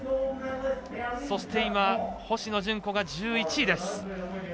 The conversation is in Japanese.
そして、今星野純子が１１位です。